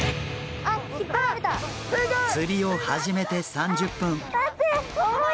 釣りを始めて３０分。